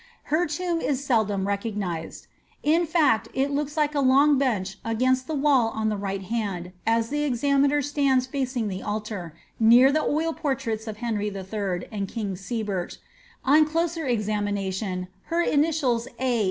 Her tomb is seldom recognised. In fact it looks like a long bench placed against the wall on the right hand, as the examiner stands facing the altar, near the oil portraits of Henry III. and king Sebert. On closer inspection, her initials A.